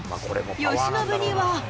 由伸には。